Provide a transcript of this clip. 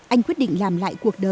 anh quyết định làm lại cuộc sống